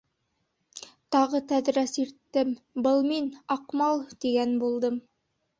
Тағы тәҙрә сирттем, был мин, Аҡмал, тигән булдым.